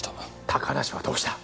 高梨はどうした！